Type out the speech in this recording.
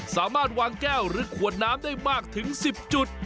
สามารถวางแก้วหรือขวดน้ำได้มากถึง๑๐จุด